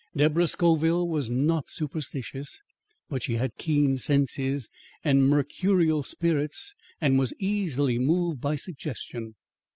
Deborah Scoville was not superstitious, but she had keen senses and mercurial spirits and was easily moved by suggestion.